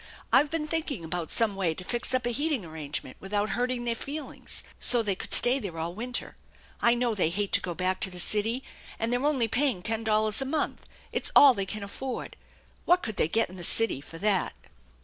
I've been thinking about some way to fix up a heating arrangement without hurting their feelings, so they could stay there all winter. I know they hate to go back to the city, and they're only paying ten dollars a month. It's all they can afford. What could they get in the city for that